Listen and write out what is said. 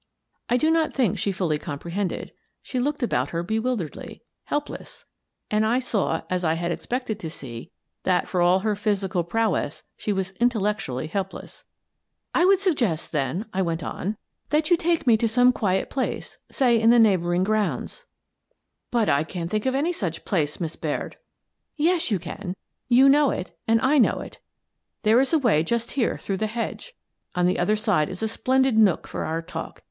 I do not think she fully comprehended. She looked about her bewilderedly, helpless, and I saw — as I had expected to see — that, for all her physical prowess, she was intellectually helpless. " 1 would suggest, then," I went on, " that you I Try the Third Degree 213 take me to some quiet place, — say in the neigh bouring grounds." " But I can't think of any such place, Miss Baird." " Yes, you can. You know it — and I know it. There is a way just here through the hedge. On the other side is a splendid nook for our talk.